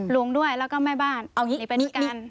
ลุงด้วยแล้วก็แม่บ้านหนีไปด้วยกัน